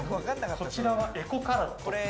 こちらはエコカラット。